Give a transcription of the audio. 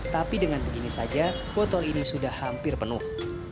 tapi dengan begini saja botol ini sudah hampir penuh